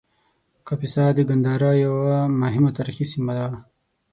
کاپیسا د ګندهارا یوه مهمه تاریخي سیمه وه